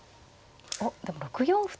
おっでも６四歩と。